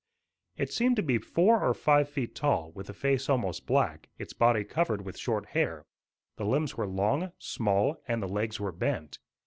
It seemed to be four or five feet tall, with a face almost black, its body covered with short hair. The limbs were long, small, and the legs were bent.